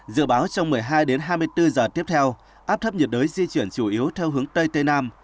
dự báo trong một mươi hai đến hai mươi bốn giờ tiếp theo áp thấp nhiệt đới di chuyển chủ yếu theo hướng tây tây nam